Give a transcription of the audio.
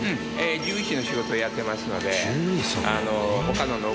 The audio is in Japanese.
獣医師の仕事をやってますので。